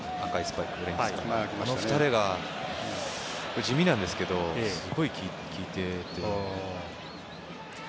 この２人が地味なんですけどすごい効いてて。